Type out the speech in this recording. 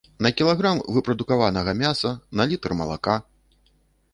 На кілаграм выпрадукаванага мяса, на літр малака.